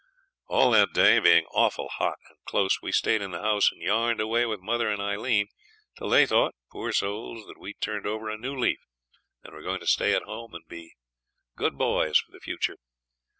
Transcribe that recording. All that day, being awful hot and close, we stayed in the house and yarned away with mother and Aileen till they thought poor souls that we had turned over a new leaf and were going to stay at home and be good boys for the future.